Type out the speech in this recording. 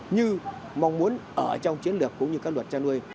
như mong muốn ở trong chiến lược cũng như các luật chăn nuôi